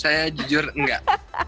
saya jujur enggak